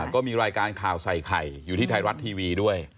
ก็มีรายการข่าวใส่ไข่อยู่ที่ไทยรัฐทีวีด้วย